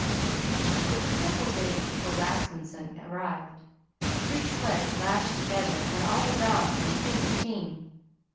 It was several days before Rasmunsen arrived, the three sleds lashed together, and all the dogs in a single team.